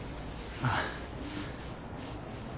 ああ。